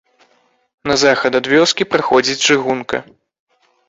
На захад ад вёскі праходзіць чыгунка.